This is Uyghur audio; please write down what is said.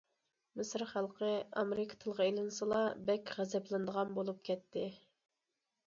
مىسىر خەلقى ئامېرىكا تىلغا ئېلىنسىلا بەك غەزەپلىنىدىغان بولۇپ كەتتى.